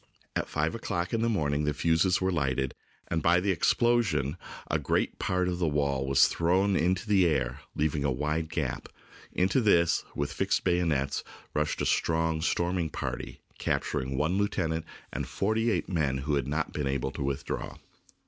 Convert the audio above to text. At five o'clock in the morning the fuses were lighted, and by the explosion a great part of the wall was thrown into the air, leaving a wide gap. Into this, with fixed bayonets, rushed a strong storming party, capturing one lieutenant and forty eight men who had not been able to withdraw.